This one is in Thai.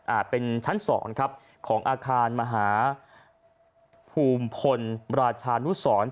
เป็นชั้น๒ครับของอาคารมหาภูมิพลราชานุสร